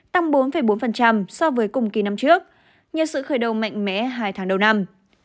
tăng bốn bốn so với cùng kỳ năm trước nhờ sự khởi đầu mạnh mẽ hai tháng đầu năm